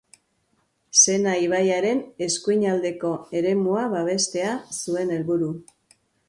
Sena ibaiaren eskuinaldeko eremua babestea zuen helburu.